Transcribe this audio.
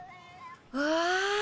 うわ。